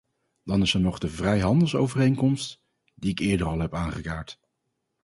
Dan is er nog de vrijhandelsovereenkomst, die ik eerder al heb aangekaart.